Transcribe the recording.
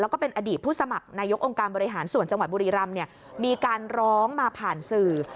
แล้วก็เป็นอดีตผู้สมัครนายกองค์การบริหารส่วนจังหวัดบุรีรำเนี่ยมีการร้องมาผ่านสื่อ